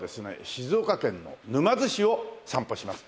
静岡県の沼津市を散歩します。